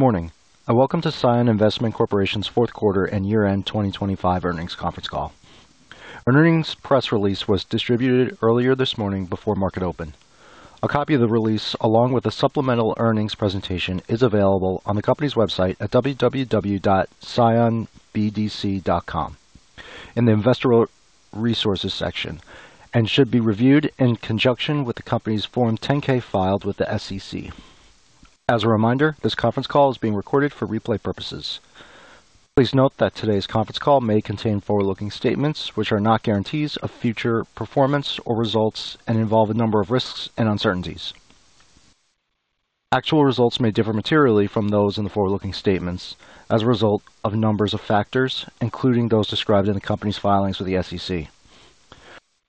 Good morning and welcome to CION Investment Corporation's Q4 and year-end 2025 earnings conference call. Our earnings press release was distributed earlier this morning before market open. A copy of the release, along with the supplemental earnings presentation, is available on the company's website at www.cionbdc.com in the Investor Resources section and should be reviewed in conjunction with the company's Form 10-K filed with the SEC. As a reminder, this conference call is being recorded for replay purposes. Please note that today's conference call may contain forward-looking statements, which are not guarantees of future performance or results and involve a number of risks and uncertainties. Actual results may differ materially from those in the forward-looking statements as a result of a number of factors, including those described in the company's filings with the SEC.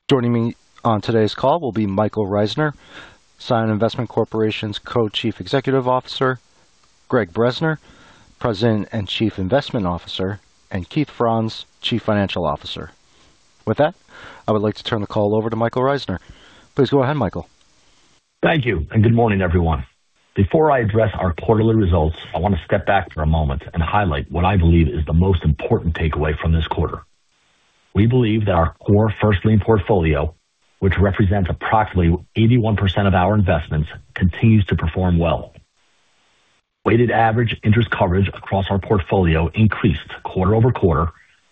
Joining me on today's call will be Michael Reisner, CION Investment Corporation's Co-chief Executive Officer, Gregg Bresner, President and Chief Investment Officer and Keith Franz, Chief Financial Officer. With that, I would like to turn the call over to Michael Reisner. Please go ahead, Michael. Thank you and good morning, everyone. Before I address our quarterly results, I want to step back for a moment and highlight what I believe is the most important takeaway from this quarter. We believe that our core first lien portfolio, which represents approximately 81% of our investments, continues to perform well. Weighted average interest coverage across our portfolio increased quarter-over-quarter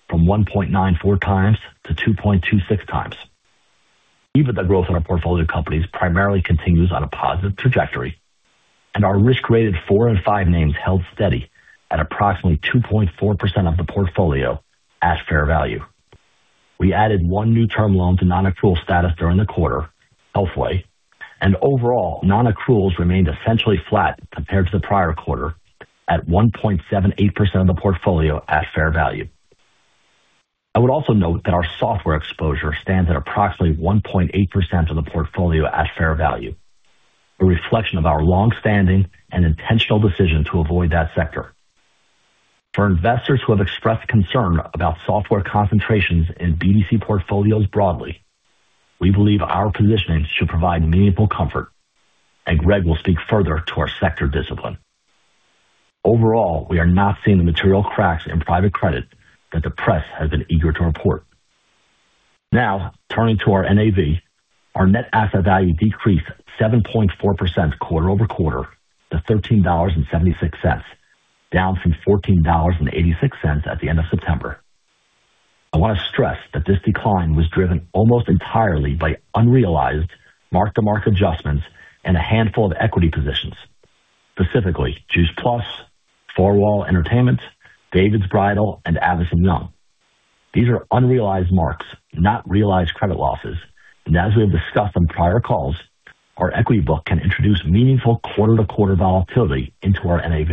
from 1.94x-2.26x. EBITDA growth in our portfolio companies primarily continues on a positive trajectory, and our risk-rated four and five names held steady at approximately 2.4% of the portfolio at fair value. We added one new term loan to non-accrual status during the quarter, HealthWay, and overall, non-accruals remained essentially flat compared to the prior quarter at 1.78% of the portfolio at fair value. I would also note that our software exposure stands at approximately 1.8% of the portfolio at fair value, a reflection of our long-standing and intentional decision to avoid that sector. For investors who have expressed concern about software concentrations in BDC portfolios broadly, we believe our positioning should provide meaningful comfort and Gregg will speak further to our sector discipline. Overall, we are not seeing the material cracks in private credit that the press has been eager to report. Now, turning to our NAV. Our net asset value decreased 7.4% quarter-over-quarter to $13.76, down from $14.86 at the end of September. I want to stress that this decline was driven almost entirely by unrealized mark-to-market adjustments and a handful of equity positions, specifically Juice Plus+, 4Wall Entertainment, David's Bridal and Addison Group. These are unrealized marks, not realized credit losses. As we have discussed on prior calls, our equity book can introduce meaningful quarter-to-quarter volatility into our NAV.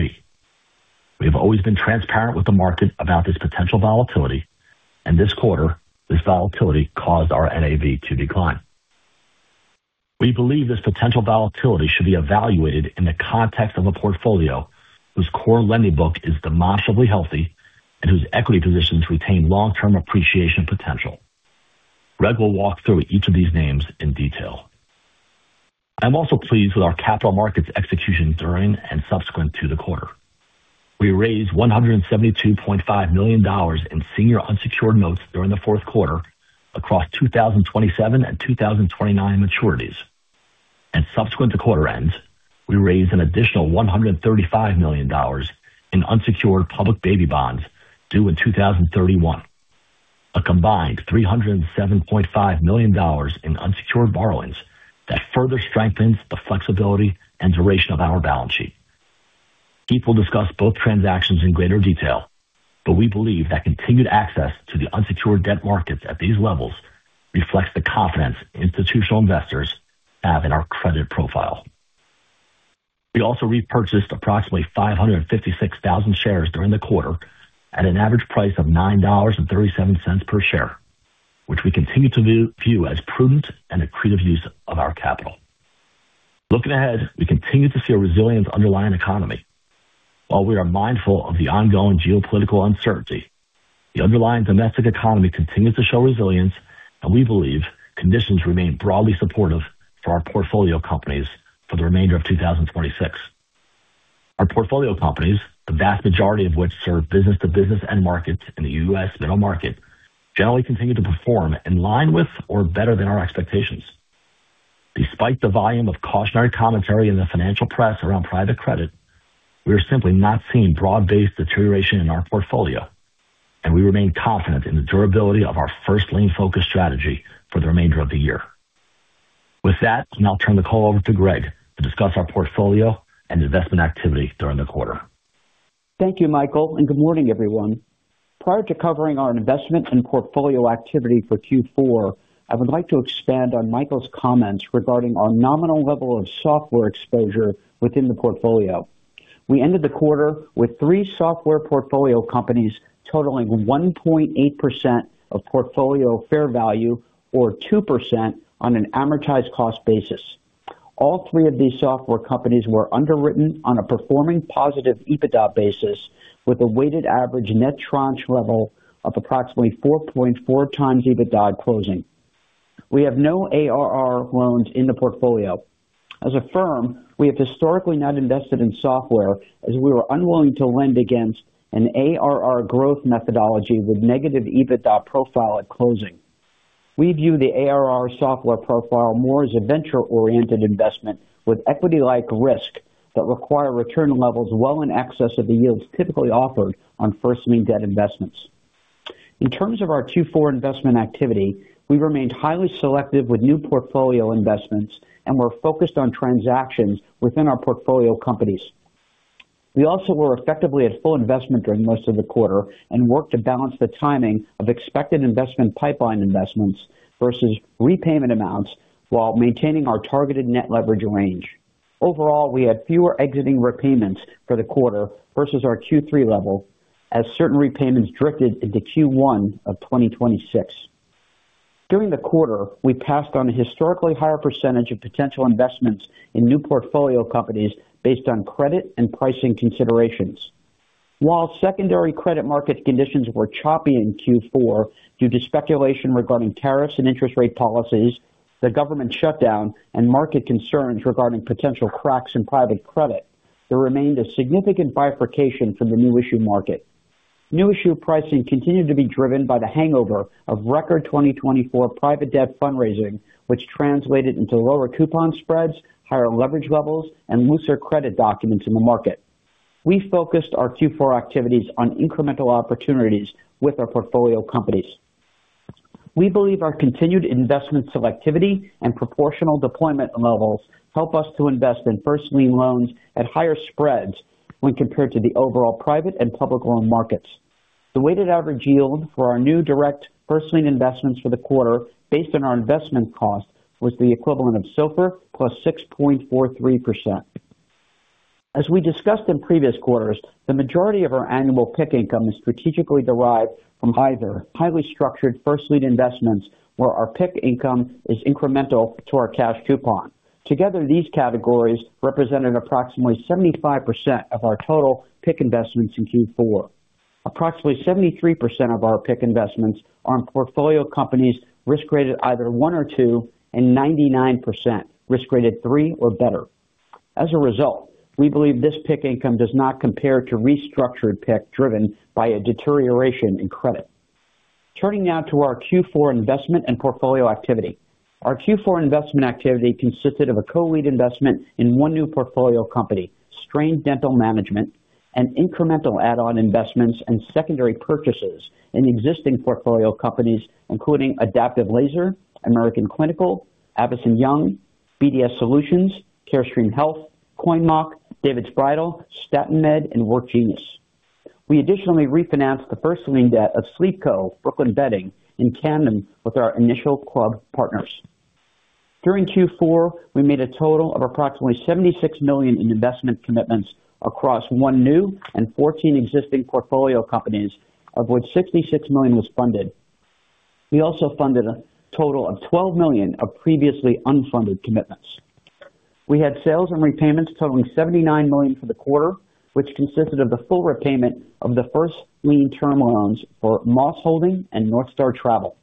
We have always been transparent with the market about this potential volatility, and this quarter, this volatility caused our NAV to decline. We believe this potential volatility should be evaluated in the context of a portfolio whose core lending book is demonstrably healthy and whose equity positions retain long-term appreciation potential. Gregg will walk through each of these names in detail. I'm also pleased with our capital markets execution during and subsequent to the quarter. We raised $172.5 million in senior unsecured notes during the Q4 across 2027 and 2029 maturities. Subsequent to quarter ends, we raised an additional $135 million in unsecured public baby bonds due in 2031. A combined $307.5 million in unsecured borrowings that further strengthens the flexibility and duration of our balance sheet. Keith will discuss both transactions in greater detail, but we believe that continued access to the unsecured debt markets at these levels reflects the confidence institutional investors have in our credit profile. We also repurchased approximately 556,000 shares during the quarter at an average price of $9.37 per share, which we continue to view as prudent and accretive use of our capital. Looking ahead, we continue to see a resilient underlying economy. While we are mindful of the ongoing geopolitical uncertainty, the underlying domestic economy continues to show resilience and we believe conditions remain broadly supportive for our portfolio companies for the remainder of 2026. Our portfolio companies, the vast majority of which serve business-to-business end markets in the U.S. middle market, generally continue to perform in line with or better than our expectations. Despite the volume of cautionary commentary in the financial press around private credit, we are simply not seeing broad-based deterioration in our portfolio, and we remain confident in the durability of our first lien-focused strategy for the remainder of the year. With that, I'll now turn the call over to Gregg to discuss our portfolio and investment activity during the quarter. Thank you, Michael and good morning, everyone. Prior to covering our investment and portfolio activity for Q4, I would like to expand on Michael's comments regarding our nominal level of software exposure within the portfolio. We ended the quarter with three software portfolio companies totaling 1.8% of portfolio fair value or 2% on an amortized cost basis. All three of these software companies were underwritten on a performing positive EBITDA basis with a weighted average net tranche level of approximately 4.4x EBITDA closing. We have no ARR loans in the portfolio. As a firm, we have historically not invested in software as we were unwilling to lend against an ARR growth methodology with negative EBITDA profile at closing. We view the ARR software profile more as a venture-oriented investment with equity-like risk that require return levels well in excess of the yields typically offered on first lien debt investments. In terms of our Q4 investment activity, we remained highly selective with new portfolio investments and were focused on transactions within our portfolio companies. We also were effectively at full investment during most of the quarter and worked to balance the timing of expected investment pipeline investments versus repayment amounts while maintaining our targeted net leverage range. Overall, we had fewer existing repayments for the quarter versus our Q3 level as certain repayments drifted into Q1 of 2026. During the quarter, we passed on a historically higher percentage of potential investments in new portfolio companies based on credit and pricing considerations. While secondary credit market conditions were choppy in Q4 due to speculation regarding tariffs and interest rate policies, the government shutdown and market concerns regarding potential cracks in private credit, there remained a significant bifurcation for the new issue market. New issue pricing continued to be driven by the hangover of record 2024 private debt fundraising, which translated into lower coupon spreads, higher leverage levels, and looser credit documents in the market. We focused our Q4 activities on incremental opportunities with our portfolio companies. We believe our continued investment selectivity and proportional deployment levels help us to invest in first lien loans at higher spreads when compared to the overall private and public loan markets. The weighted average yield for our new direct first lien investments for the quarter based on our investment cost was the equivalent of SOFR +6.43%. As we discussed in previous quarters, the majority of our annual PIK income is strategically derived from either highly structured first lien investments where our PIK income is incremental to our cash coupon. Together, these categories represented approximately 75% of our total PIK investments in Q4. Approximately 73% of our PIK investments are in portfolio companies risk-graded either one or two and 99% risk-graded three or better. As a result, we believe this PIK income does not compare to restructured PIK driven by a deterioration in credit. Turning now to our Q4 investment and portfolio activity. Our Q4 investment activity consisted of a co-lead investment in one new portfolio company, Straine Dental Management, and incremental add-on investments and secondary purchases in existing portfolio companies, including Adaptive Laser, American Clinical, Avison Young, BDS Solutions, Carestream Health, Coinmach, David's Bridal, STAT-MED, and WorkGenius. We additionally refinanced the first lien debt of SleepCo, Brooklyn Bedding, and Camden with our initial club partners. During Q4, we made a total of approximately $76 million in investment commitments across one new and 14 existing portfolio companies, of which $66 million was funded. We also funded a total of $12 million of previously unfunded commitments. We had sales and repayments totaling $79 million for the quarter, which consisted of the full repayment of the first lien term loans for Moss Holding and Northstar Travel.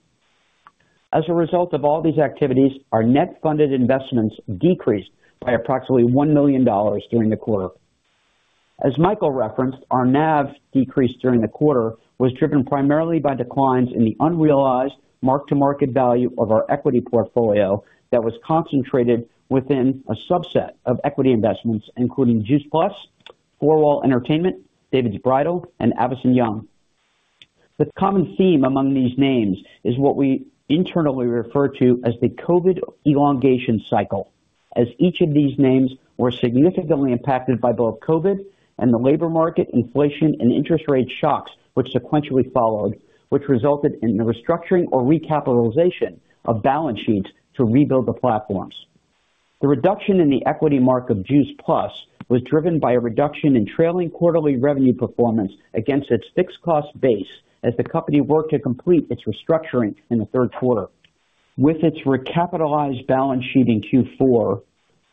As a result of all these activities, our net funded investments decreased by approximately $1 million during the quarter. As Michael referenced, our NAV decrease during the quarter was driven primarily by declines in the unrealized mark-to-market value of our equity portfolio that was concentrated within a subset of equity investments, including Juice Plus+, 4Wall Entertainment, David's Bridal, and Avison Young. The common theme among these names is what we internally refer to as the COVID elongation cycle, as each of these names were significantly impacted by both COVID and the labor market inflation and interest rate shocks which sequentially followed, which resulted in the restructuring or recapitalization of balance sheets to rebuild the platforms. The reduction in the equity mark of Juice Plus+ was driven by a reduction in trailing quarterly revenue performance against its fixed cost base as the company worked to complete its restructuring in the Q3. With its recapitalized balance sheet in Q4,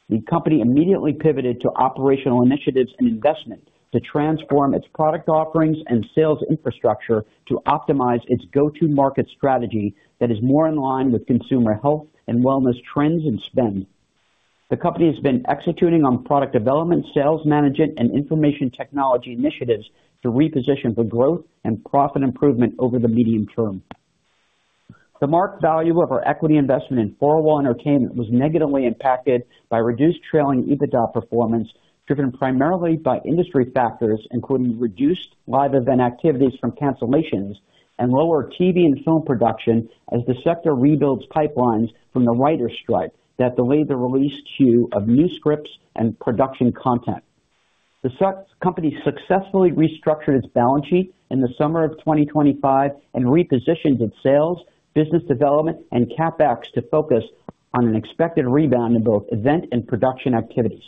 the company immediately pivoted to operational initiatives and investment to transform its product offerings and sales infrastructure to optimize its go-to-market strategy that is more in line with consumer health and wellness trends and spend. The company has been executing on product development, sales management, and information technology initiatives to reposition for growth and profit improvement over the medium term. The mark value of our equity investment in 4Wall Entertainment was negatively impacted by reduced trailing EBITDA performance, driven primarily by industry factors, including reduced live event activities from cancellations and lower TV and film production as the sector rebuilds pipelines from the writers' strike that delayed the release queue of new scripts and production content. The company successfully restructured its balance sheet in the summer of 2025 and repositioned its sales, business development and CapEx to focus on an expected rebound in both event and production activities.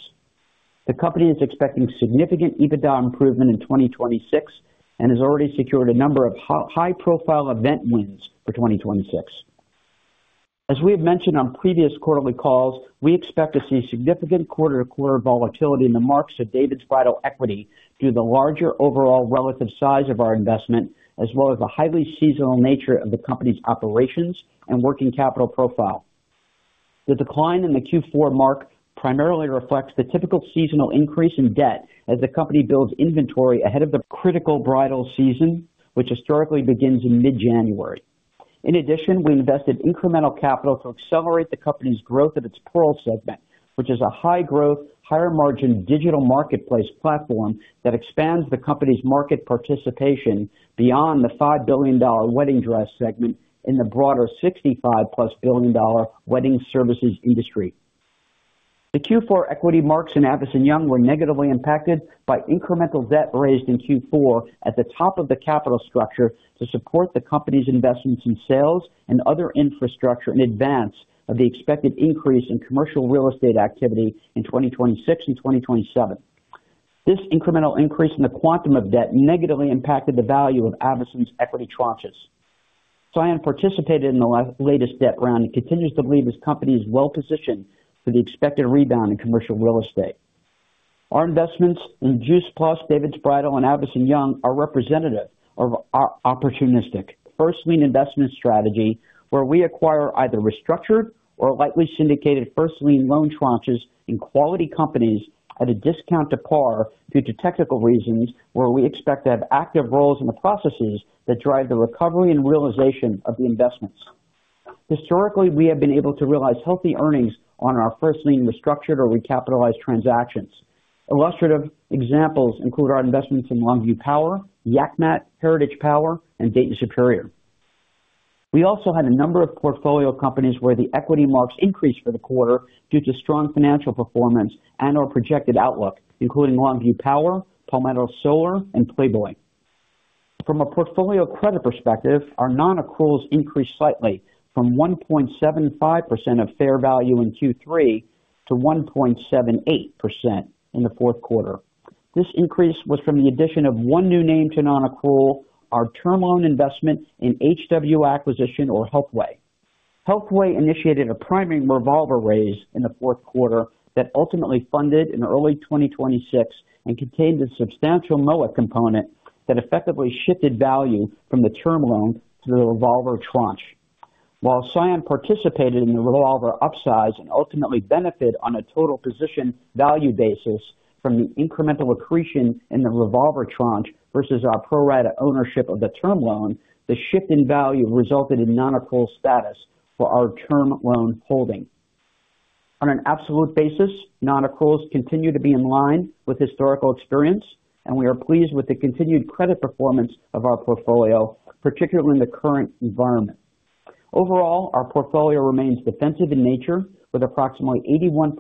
The company is expecting significant EBITDA improvement in 2026 and has already secured a number of high profile event wins for 2026. As we have mentioned on previous quarterly calls, we expect to see significant quarter-to-quarter volatility in the marks of David's Bridal equity due to the larger overall relative size of our investment as well as the highly seasonal nature of the company's operations and working capital profile. The decline in the Q4 mark primarily reflects the typical seasonal increase in debt as the company builds inventory ahead of the critical bridal season, which historically begins in mid-January. In addition, we invested incremental capital to accelerate the company's growth of its Pearl segment, which is a high-growth, higher-margin digital marketplace platform that expands the company's market participation beyond the $5 billion wedding dress segment in the broader $65+ billion wedding services industry. The Q4 equity marks in Avison Young were negatively impacted by incremental debt raised in Q4 at the top of the capital structure to support the company's investments in sales and other infrastructure in advance of the expected increase in commercial real estate activity in 2026 and 2027. This incremental increase in the quantum of debt negatively impacted the value of Avison Young's equity tranches. CION participated in the latest debt round and continues to believe this company is well positioned for the expected rebound in commercial real estate. Our investments in Juice Plus+, David's Bridal and Avison Young are representative of our opportunistic first lien investment strategy, where we acquire either restructured or lightly syndicated first lien loan tranches in quality companies at a discount to par due to technical reasons where we expect to have active roles in the processes that drive the recovery and realization of the investments. Historically, we have been able to realize healthy earnings on our first lien restructured or recapitalized transactions. Illustrative examples include our investments in Longview Power, Yak Mat, Heritage Power and Dayton Superior. We also had a number of portfolio companies where the equity marks increased for the quarter due to strong financial performance and/or projected outlook, including Longview Power, Palmetto Solar and Playboy. From a portfolio credit perspective, our non-accruals increased slightly from 1.75% of fair value in Q3 to 1.78% in the Q4. This increase was from the addition of one new name to non-accrual, our term loan investment in HW Acquisition or HealthWay. HealthWay initiated a primary revolver raise in the fourth quarter that ultimately funded in early 2026 and contained a substantial MOA component that effectively shifted value from the term loan to the revolver tranche. While CION participated in the revolver upsize and ultimately benefit on a total position value basis from the incremental accretion in the revolver tranche versus our pro rata ownership of the term loan, the shift in value resulted in non-accrual status for our term loan holding. On an absolute basis, non-accruals continue to be in line with historical experience, and we are pleased with the continued credit performance of our portfolio, particularly in the current environment. Overall, our portfolio remains defensive in nature, with approximately 81%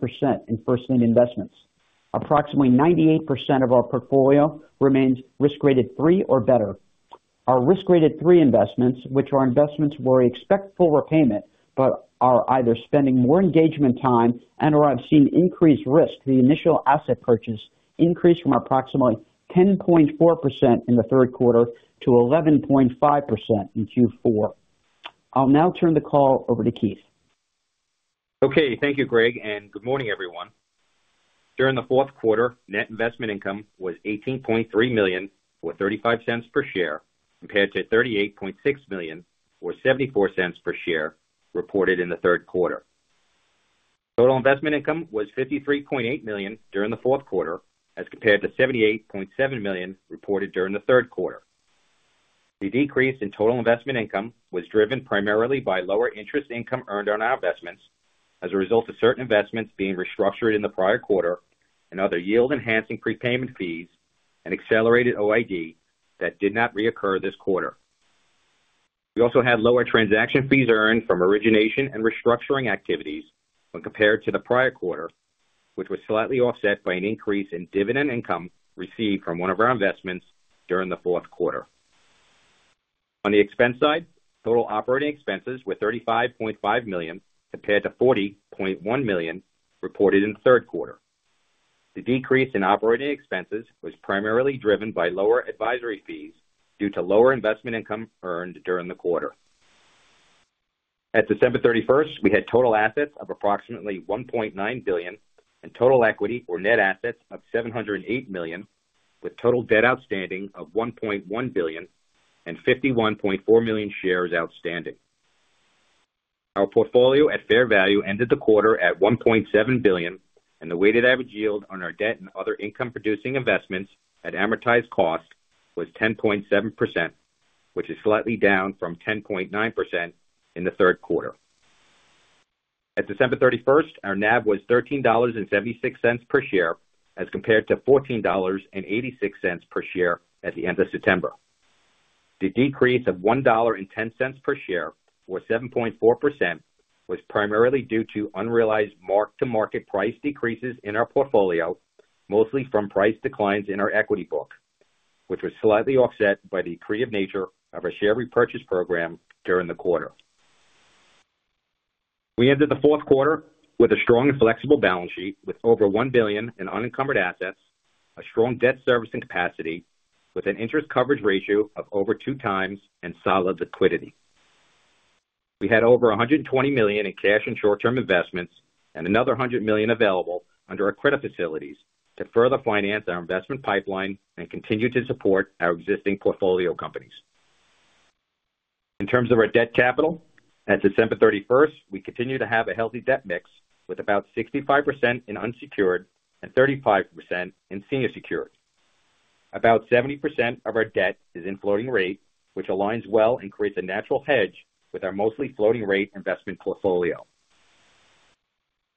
in first lien investments. Approximately 98% of our portfolio remains risk-graded three or better. Our risk-graded three investments, which are investments where we expect full repayment but are either spending more engagement time and/or have seen increased risk. The initial asset purchase increased from approximately 10.4% in the third quarter to 11.5% in Q4. I'll now turn the call over to Keith. Okay. Thank you, Greg and good morning, everyone. During the Q4, net investment income was $18.3 million, or $0.35 per share, compared to $38.6 million or $0.74 per share reported in the Q3. Total investment income was $53.8 million during the Q4 as compared to $78.7 million reported during the Q3. The decrease in total investment income was driven primarily by lower interest income earned on our investments as a result of certain investments being restructured in the prior quarter and other yield-enhancing prepayment fees and accelerated OID that did not reoccur this quarter. We also had lower transaction fees earned from origination and restructuring activities when compared to the prior quarter, which was slightly offset by an increase in dividend income received from one of our investments during the Q4. On the expense side, total operating expenses were $35.5 million compared to $40.1 million reported in the Q3. The decrease in operating expenses was primarily driven by lower advisory fees due to lower investment income earned during the quarter. At December 31st, we had total assets of approximately $1.9 billion and total equity or net assets of $708 million, with total debt outstanding of $1.1 billion and 51.4 million shares outstanding. Our portfolio at fair value ended the quarter at $1.7 billion, and the weighted average yield on our debt and other income-producing investments at amortized cost was 10.7%, which is slightly down from 10.9% in the Q3. At December 31st, our NAV was $13.76 per share as compared to $14.86 per share at the end of September. The decrease of $1.10 per share, or 7.4%, was primarily due to unrealized mark-to-market price decreases in our portfolio, mostly from price declines in our equity book, which was slightly offset by the accretive nature of our share repurchase program during the quarter. We ended the Q4 with a strong and flexible balance sheet with over $1 billion in unencumbered assets, a strong debt servicing capacity with an interest coverage ratio of over 2x and solid liquidity. We had over $120 million in cash and short-term investments and another $100 million available under our credit facilities to further finance our investment pipeline and continue to support our existing portfolio companies. In terms of our debt capital, at December 31st, we continue to have a healthy debt mix with about 65% in unsecured and 35% in senior secured. About 70% of our debt is in floating rate, which aligns well and creates a natural hedge with our mostly floating rate investment portfolio.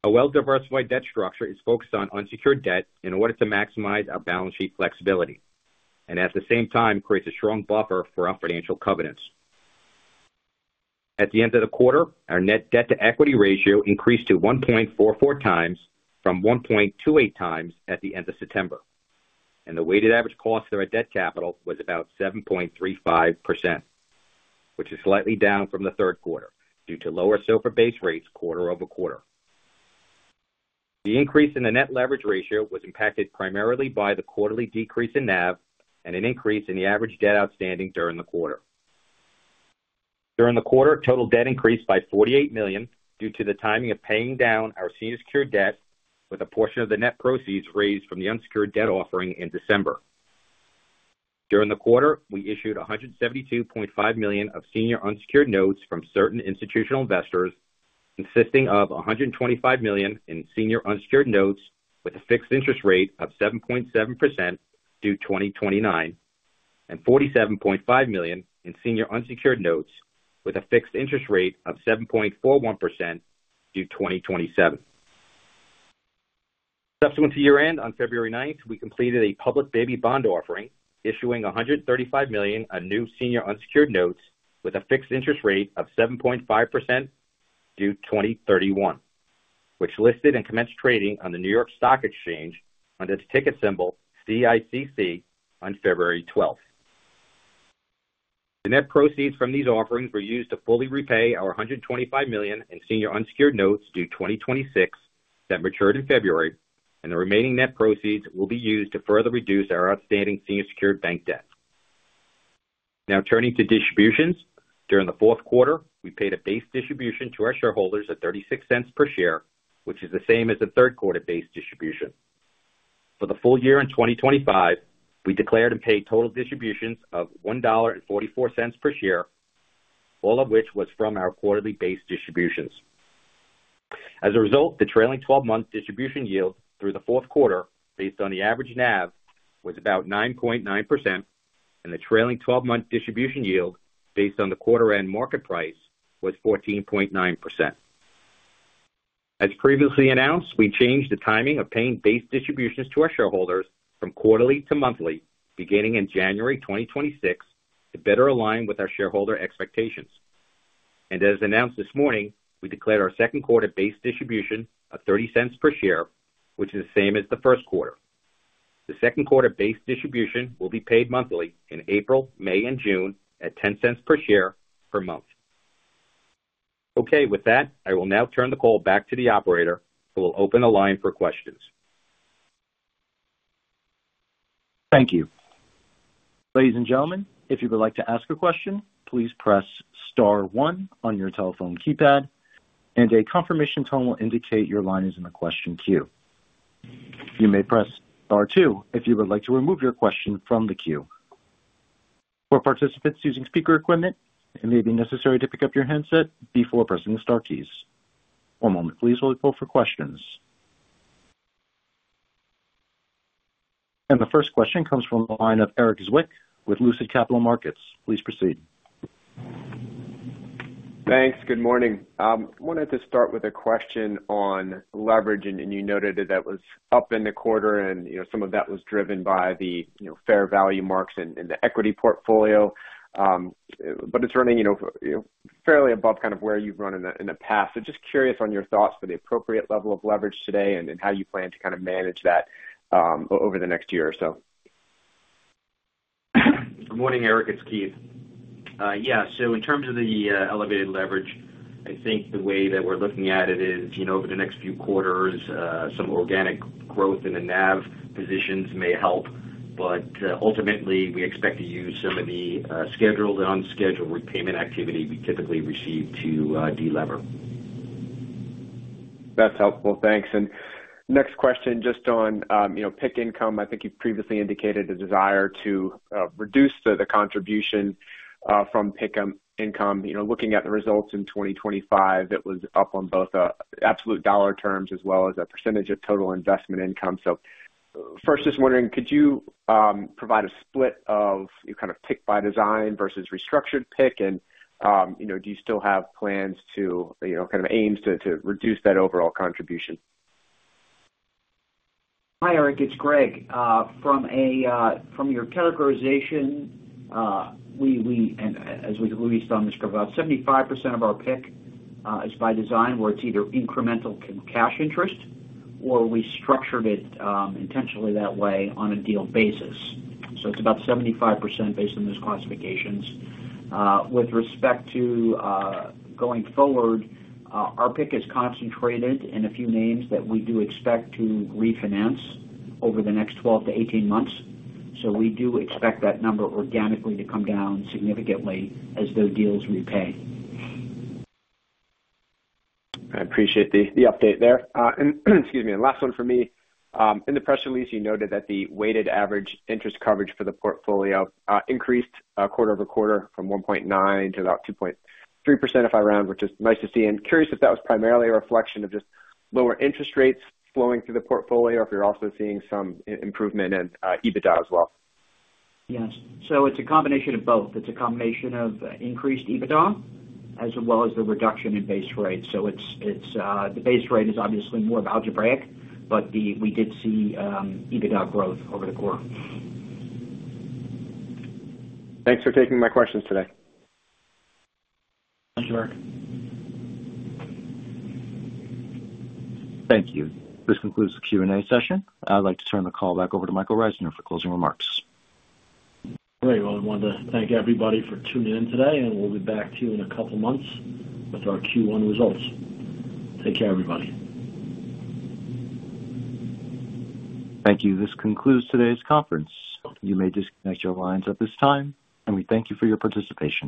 A well-diversified debt structure is focused on unsecured debt in order to maximize our balance sheet flexibility, and at the same time creates a strong buffer for our financial covenants. At the end of the quarter, our net debt-to-equity ratio increased to 1.44x from 1.28x at the end of September. The weighted average cost of our debt capital was about 7.35%, which is slightly down from the Q3 due to lower SOFR-based rates quarter-over-quarter. The increase in the net leverage ratio was impacted primarily by the quarterly decrease in NAV and an increase in the average debt outstanding during the quarter. During the quarter, total debt increased by $48 million due to the timing of paying down our senior secured debt with a portion of the net proceeds raised from the unsecured debt offering in December. During the quarter, we issued $172.5 million of senior unsecured notes from certain institutional investors, consisting of $125 million in senior unsecured notes with a fixed interest rate of 7.7% due 2029, and $47.5 million in senior unsecured notes with a fixed interest rate of 7.41% due 2027. Subsequent to year-end, on February 9th, we completed a public baby bond offering, issuing $135 million on new senior unsecured notes with a fixed interest rate of 7.5% due 2031, which listed and commenced trading on the New York Stock Exchange under the ticket symbol CICC on February 12th. The net proceeds from these offerings were used to fully repay our $125 million in senior unsecured notes due 2026 that matured in February and the remaining net proceeds will be used to further reduce our outstanding senior secured bank debt. Now turning to distributions. During the Q4, we paid a base distribution to our shareholders at $0.36 per share, which is the same as the Q3 base distribution. For the full year in 2025, we declared and paid total distributions of $1.44 per share, all of which was from our quarterly base distributions. As a result, the trailing 12-month distribution yield through the Q4, based on the average NAV, was about 9.9%, and the trailing 12-month distribution yield, based on the quarter end market price, was 14.9%. As previously announced, we changed the timing of paying base distributions to our shareholders from quarterly to monthly beginning in January 2026 to better align with our shareholder expectations. As announced this morning, we declared our Q2 base distribution of $0.30 per share, which is the same as the Q1. The Q2 base distribution will be paid monthly in April, May and June at $0.10 per share per month. Okay. With that, I will now turn the call back to the operator who will open the line for questions. Thank you. Ladies and gentlemen, if you would like to ask a question, please press star one on your telephone keypad and a confirmation tone will indicate your line is in the question queue. You may press star two if you would like to remove your question from the queue. For participants using speaker equipment, it may be necessary to pick up your handset before pressing the star keys. One moment please while we pull for questions. The first question comes from the line of Erik Zwick with Lucid Capital Markets. Please proceed. Thanks. Good morning. Wanted to start with a question on leverage. You noted that was up in the quarter and, you know, some of that was driven by the, you know, fair value marks in the equity portfolio. It's running, you know, fairly above kind of where you've run in the past. Just curious on your thoughts for the appropriate level of leverage today and how you plan to kind of manage that over the next year or so. Good morning, Erik. It's Keith. In terms of the elevated leverage, I think the way that we're looking at it is, you know, over the next few quarters, some organic growth in the NAV positions may help. Ultimately, we expect to use some of the scheduled and unscheduled repayment activity we typically receive to de-lever. That's helpful. Thanks. Next question, just on, you know, PIK income. I think you've previously indicated a desire to reduce the contribution from PIK income. You know, looking at the results in 2025, it was up on both absolute dollar terms as well as a percentage of total investment income. First, just wondering, could you provide a split of kind of PIK by design versus restructured PIK? You know, do you still have plans to, you know, kind of aims to reduce that overall contribution? Hi, Erik Zwick. It's Gregg Bresner. From your categorization, and as we've released on this, about 75% of our PIK is by design, where it's either incremental cash interest or we structured it intentionally that way on a deal basis. It's about 75% based on those classifications. With respect to going forward, our PIK is concentrated in a few names that we do expect to refinance over the next 12-18 months. We do expect that number organically to come down significantly as those deals repay. I appreciate the update there. Excuse me. Last one for me. In the press release you noted that the weighted average interest coverage for the portfolio increased quarter-over-quarter from 1.9 to about 2.3% if I round, which is nice to see. Curious if that was primarily a reflection of just lower interest rates flowing through the portfolio or if you're also seeing some improvement in EBITDA as well. Yes. It's a combination of both. It's a combination of increased EBITDA as well as the reduction in base rate. The base rate is obviously more of algebraic, but we did see EBITDA growth over the quarter. Thanks for taking my questions today. Sure. Thank you. This concludes the Q&A session. I'd like to turn the call back over to Michael Reisner for closing remarks. Great. Well, I wanted to thank everybody for tuning in today, and we'll be back to you in a couple months with our Q1 results. Take care, everybody. Thank you. This concludes today's conference. You may disconnect your lines at this time, and we thank you for your participation.